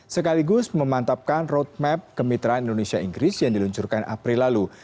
sekaligus memantapkan roadmap kemitraan indonesia inggris yang diluncurkan april lalu